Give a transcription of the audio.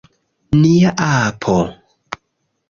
Nia apo!